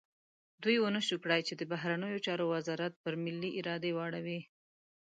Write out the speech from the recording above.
دوی ونه شو کړای چې د بهرنیو چارو وزارت پر ملي ارادې واړوي.